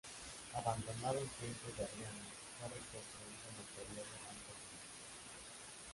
Abandonado en tiempos de Adriano fue reconstruido en el período Antonino.